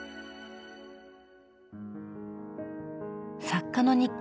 作家の日記